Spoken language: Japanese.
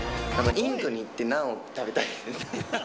インドに行ってナンを食べたい。